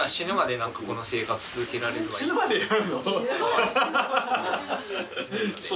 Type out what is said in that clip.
死ぬまでやるの？